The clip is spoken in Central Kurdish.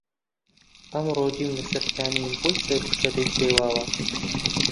ئەمڕۆ دیم لەسەر کانی وەی سەر و شەدەی شێواوە